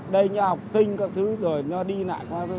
đây như học sinh các thứ rồi nó đi lại